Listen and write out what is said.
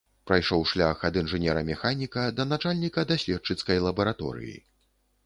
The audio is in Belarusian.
Прайшоў шлях ад інжынера-механіка да начальніка даследчыцкай лабараторыі.